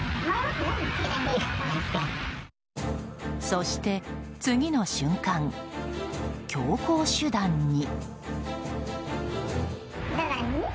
そして、次の瞬間強硬手段に。